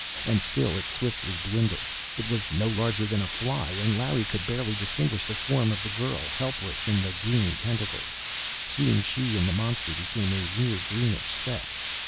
And still it swiftly dwindled. It was no larger than a fly, and Larry could barely distinguish the form of the girl, helpless in the green tentacles. Soon she and the monster became a mere greenish speck....